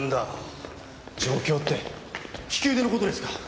状況って利き腕の事ですか？